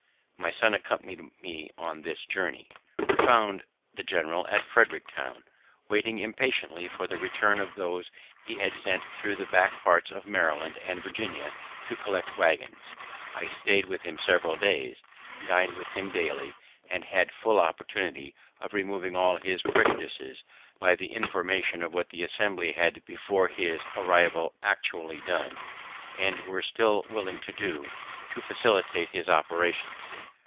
My son accompanied me on this journey. We found the general at Frederictown, waiting impatiently for the return of those he had sent thro' the back parts of Maryland and Virginia to collect waggons. I stayed with him several days, din'd with him daily, and had full opportunity of removing all his prejudices, by the information of what the Assembly had before his arrival actually done, and were still willing to do, to facilitate his operations.